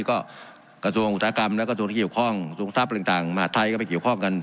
ก็กระทรวงอุตสาหกรรมแล้วก็ส่วนที่เกี่ยวข้องส่วนทรัพย์ต่างมหาดไทยก็ไปเกี่ยวข้องกัน